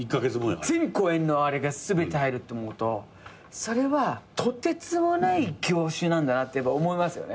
全公演のあれが全て入るって思うとそれはとてつもない業種なんだなって思いますよね。